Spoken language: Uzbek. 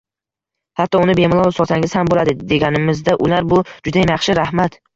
Hatto uni bemalol sotsangiz ham boʻladi”, deganimizda ular: “bu judayam yaxshi, rahmat